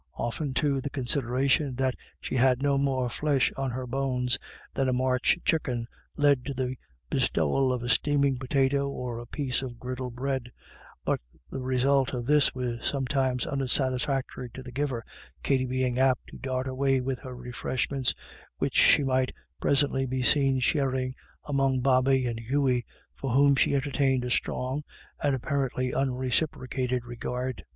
Often, too, the consideration that she had no more flesh on her bones than a March chucken led to the bestowal of a steaming potato, or a piece of griddle bread ; but the result of this was sometimes unsatisfactory to the giver, Katty being apt to dart away with her refreshments, which she might presently be seen sharing among Bobby and Hughey, for whom she entertained a strong and apparently unreciprocated regard.